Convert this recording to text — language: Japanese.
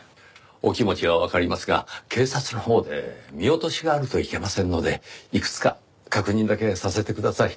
お気持ちはわかりますが警察のほうで見落としがあるといけませんのでいくつか確認だけさせてください。